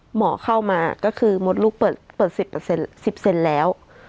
หมอเข้ามาก็คือหมดลูกเปิดเปิดสิบเปอร์เซ็นสิบเซ็นแล้ว